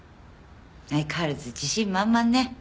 相変わらず自信満々ね。